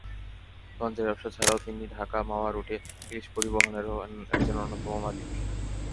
লঞ্চের ব্যবসা ছাড়াও তিনি ঢাকা-মাওয়া রুটে ইলিশ পরিবহনেরও একজন অন্যতম মালিক।